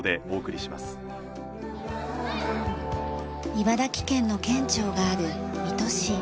茨城県の県庁がある水戸市。